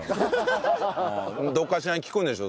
どこかしらに効くんでしょ